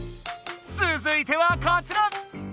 つづいてはこちら！